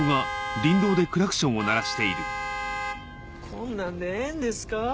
こんなんでええんですか？